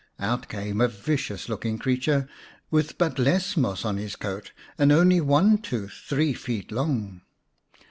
Out came a vicious looking creature, with but little moss on his coat, and only one tooth three feet long.